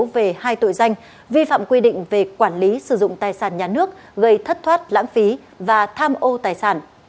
về hai tội danh vi phạm quy định về quản lý sử dụng tài sản nhà nước gây thất thoát lãng phí và tham ô tài sản